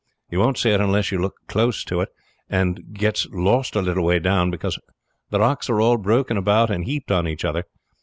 You won't see it onless you look close for it, and it gets lost a little way down, becase the rocks are all broken about and heaped on each other.